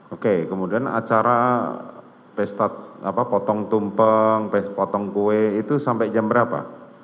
oke kemudian acara pesta potong tumpeng potong kue itu sampai jam berapa